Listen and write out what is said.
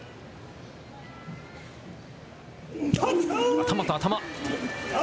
頭と頭。